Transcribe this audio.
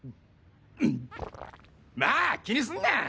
まあ気にすんな！